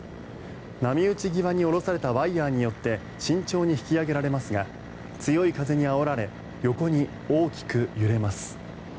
波打ち際に下ろされたワイヤによって慎重に引き上げられますが強い風にあおられ横に大きく揺れます。